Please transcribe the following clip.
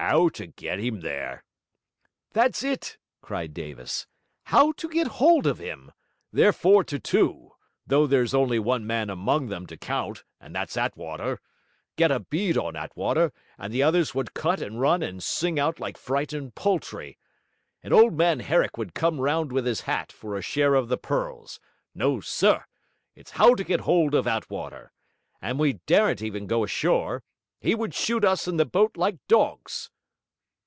''Ow to get him there?' 'That's it!' cried Davis. 'How to get hold of him! They're four to two; though there's only one man among them to count, and that's Attwater. Get a bead on Attwater, and the others would cut and run and sing out like frightened poultry and old man Herrick would come round with his hat for a share of the pearls. No, SIR! it's how to get hold of Attwater! And we daren't even go ashore; he would shoot us in the boat like dogs.'